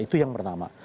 itu yang pertama